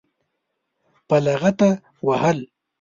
په لغته وهل.